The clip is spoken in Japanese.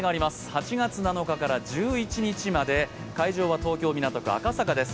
８月７日から１１日まで、会場は東京・港区赤坂です。